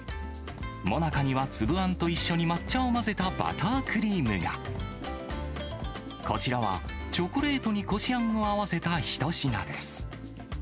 もなかには粒あんと一緒に抹茶を混ぜたバタークリームや、こちらは、チョコレートにこしあんを合わせた一品です。